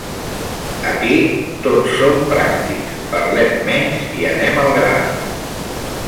Aquí tots som pràctics, parlem menys i anem al gra